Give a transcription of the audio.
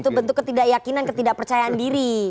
itu bentuk ketidakyakinan ketidak percayaan diri